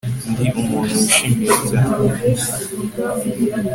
Ndi umuntu wishimye cyane